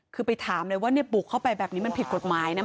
คือไปถามเลยว่าบุกเข้าไปแบบนี้มันผิดกฎหมายนะ